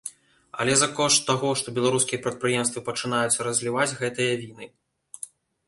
Але за кошт таго, што беларускія прадпрыемствы пачынаюць разліваць гэтыя віны.